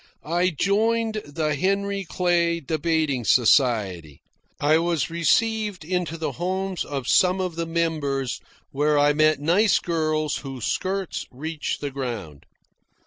I joined the Henry Clay Debating Society. I was received into the homes of some of the members, where I met nice girls whose skirts reached the ground.